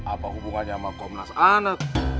apa hubungannya sama komunas anak